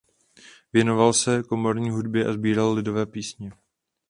Věnoval se komorní hudbě a sbíral lidové písně.